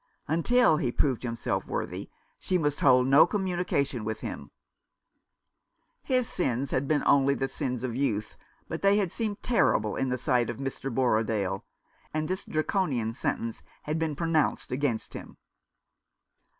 Until he proved himself worthy she must hold no communication with him. His sins had been only the sins of youth, but they had seemed terrible 326 The American Remembers. in the sight of Mr. Borrodaile ; and this Draconian sentence had been pronounced against him.